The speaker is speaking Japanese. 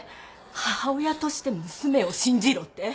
母親として娘を信じろって？